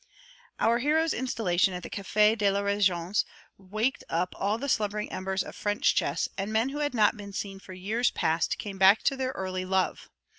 Our hero's installation at the Café de la Régence waked up all the slumbering embers of French chess, and men who had not been seen for years past came back to their early love.